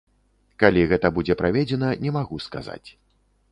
Калі гэта будзе праведзена, не магу сказаць.